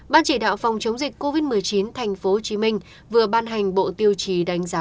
ban chỉ đạo phòng chống dịch covid một mươi chín tp hcm vừa ban hành bộ tiêu chí đánh giá